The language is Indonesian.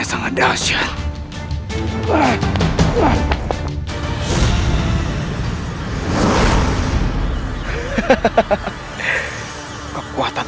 se satu kan